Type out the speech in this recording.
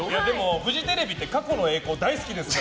フジテレビって過去の栄光大好きですから。